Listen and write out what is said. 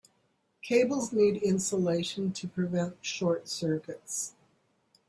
Cables need insulation to prevent short circuits.